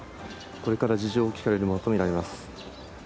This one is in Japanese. これから事情を聞かれるものとみられます。